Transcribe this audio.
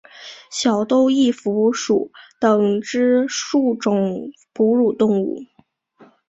小兜翼蝠属等之数种哺乳动物。